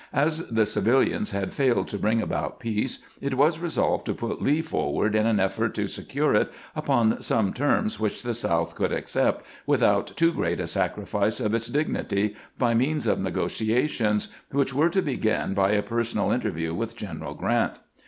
As the civilians had failed to bring about peace, it was resolved to put Lee forward in an effort to secure it upon some terms which the South could accept without too great a sacrifice of its dignity, by means of negotiations, which were to begin by a personal inter view with G eneral Grrant.